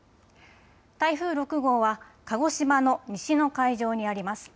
台風６号は鹿児島の西の海上にあります。